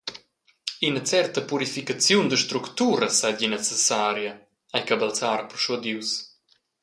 Ina certa purificaziun da structuras seigi necessaria, ei Cabalzar perschuadius.